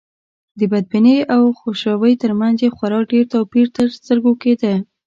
د بدبینۍ او خوشروی تر منځ یې خورا ډېر توپير تر سترګو کېده.